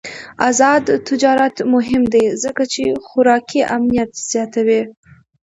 آزاد تجارت مهم دی ځکه چې خوراکي امنیت زیاتوي.